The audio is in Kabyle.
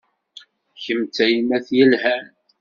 Kemm d tayemmat yelhan.